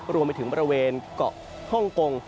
รวมไปถึงบริเวณเกาะฮ่องกง